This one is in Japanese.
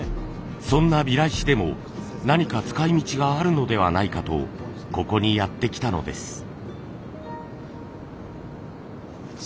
そんなビラ石でも何か使いみちがあるのではないかとここにやって来たのです。